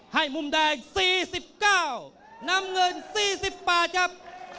มุมแดง๔๙น้ำเงิน๔๘ครับ